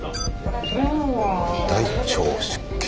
大腸出血。